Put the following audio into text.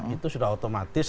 itu sudah otomatis